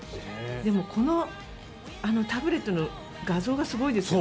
でも、このタブレットの画像がすごいですよね。